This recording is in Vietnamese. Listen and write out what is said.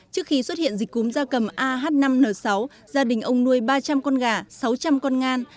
trước khi xuất hiện dịch cúm da cầm ah năm n sáu gia đình ông nuôi ba trăm linh con gà sáu trăm linh con ngan